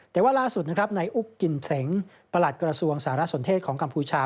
แต่ว่าราสุดในอุกกิร์มสังค์ประหลัดกราศวงศ์สหรัฐสนเทศของกัมภูชา